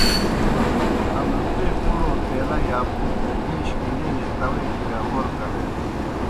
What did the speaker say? املُکے پُھڑو پیلہ یا پُھک ہَیش گہ لیلے تاؤے کِرِیا غورہ کلینَن۔